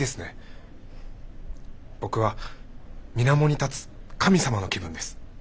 僕はみなもに立つ神様の気分です。